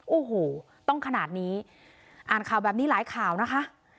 โอ้โหต้องขนาดนี้อ่านข่าวแบบนี้หลายข่าวนะคะ